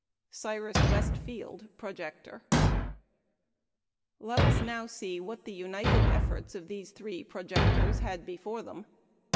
Cyrus West Field (Projector). FIG. 4.] Let us see now what the united efforts of these three "projectors" had before them.